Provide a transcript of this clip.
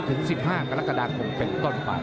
ถึง๑๕กรกฎาคมเป็นต้นไป